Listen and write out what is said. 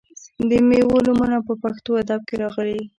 د میوو نومونه په پښتو ادب کې راغلي.